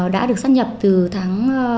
đã được sắp nhập từ tháng